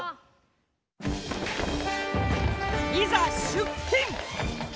いざ出勤！